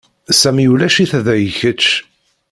Sami ulac-it da i kečč.